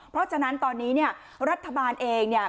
เพราะฉะนั้นตอนนี้เนี่ยรัฐบาลเองเนี่ย